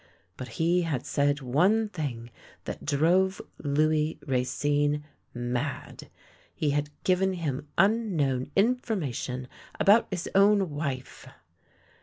But he had said one thing that drove Louis Racine mad. He had given him unknown information about his own wife.